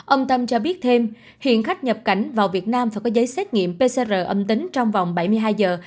ông tâm cho biết thêm hiện khách nhập cảnh vào việt nam phải có giấy xét nghiệm pcr âm tính trong vòng bảy mươi hai giờ